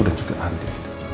dan juga andi